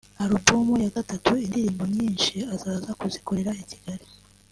Album ya gatatu indirimbo nyinshi azaza kuzikorera i Kigali